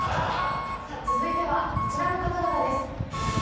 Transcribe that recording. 続いてはこちらの方々です。